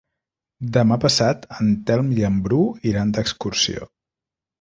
Demà passat en Telm i en Bru iran d'excursió.